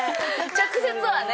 直接はね。